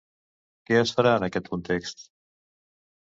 Què es farà en aquest context?